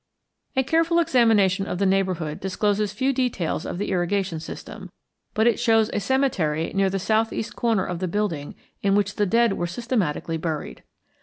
A careful examination of the neighborhood discloses few details of the irrigation system, but it shows a cemetery near the southeast corner of the building in which the dead were systematically buried.